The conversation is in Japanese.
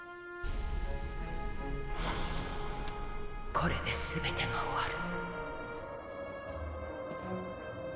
これで全てが終わる。